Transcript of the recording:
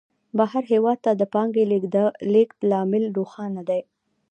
بهر هېواد ته د پانګې د لېږد لامل روښانه دی